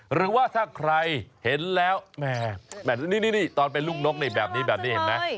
หรือว่าถ้าใครเห็นแล้วแบบนี้ตอนเป็นลูกนกแบบนี้เห็นไหม